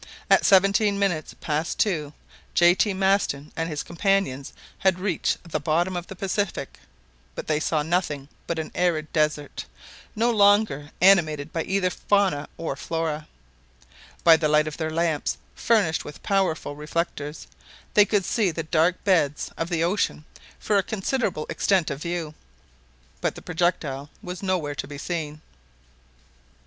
At seventeen minutes past two, J. T. Maston and his companions had reached the bottom of the Pacific; but they saw nothing but an arid desert, no longer animated by either fauna or flora. By the light of their lamps, furnished with powerful reflectors, they could see the dark beds of the ocean for a considerable extent of view, but the projectile was nowhere to be seen.